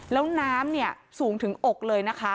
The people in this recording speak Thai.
แล้วน้ำเนี่ยสูงถึงอกเลยนะคะ